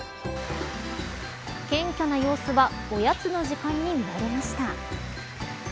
謙虚な様子はおやつの時間に見られました。